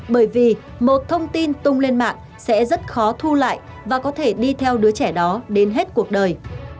bởi vì một thông tin tung lên mạng sẽ rất khó thu lại và có thể đi theo đứa trẻ đó đến hết cuộc đời